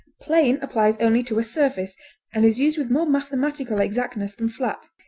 Plane applies only to a surface, and is used with more mathematical exactness than flat.